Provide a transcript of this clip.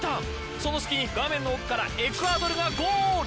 その隙に画面の奥からエクアドルがゴール。